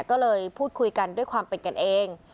ก็เลยพูดคุยกันด้วยความเป็นกันเอง